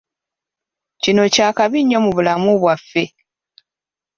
Kino kya kabi nnyo mu bulamu bwaffe!